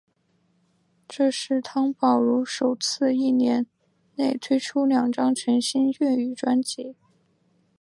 这是汤宝如首次一年内推出两张全新粤语专辑。